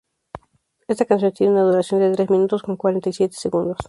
Esta canción tiene una duración de tres minutos con cuarenta y siete segundos.